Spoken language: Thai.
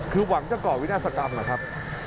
คือหวังจะก่อวินาศกรรมนะครับ